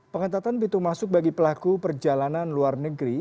pengetatan pintu masuk bagi pelaku perjalanan luar negeri